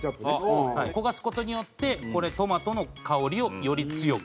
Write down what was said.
焦がす事によってトマトの香りをより強くする。